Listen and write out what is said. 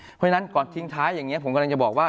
เพราะฉะนั้นก่อนทิ้งท้ายอย่างนี้ผมกำลังจะบอกว่า